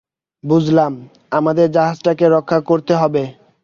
বুঝলাম, আমাদের জাহাজটাকে রক্ষা করতে হবে।